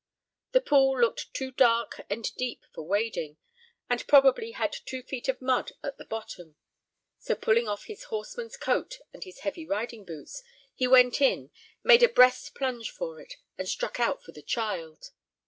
The pool looked too dark and deep for wading, and probably had two feet of mud at the bottom; so, pulling off his horseman's coat and his heavy riding boots, he went in, made a breast plunge for it, and struck out for the child.